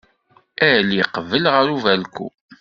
Ali qbel ɣer ubalku.